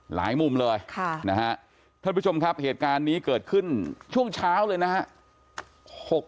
หลายมุมเลยนะฮะท่านผู้ชมครับเหตุการณ์นี้เกิดขึ้นช่วงเช้าเลยนะฮะ